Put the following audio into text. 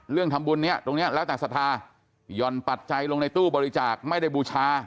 เรื่องทำบุญเนี่ยตรงนี้แล้วแต่ศรัทธาหย่อนปัจจัยลงในตู้บริจาคไม่ได้บูชา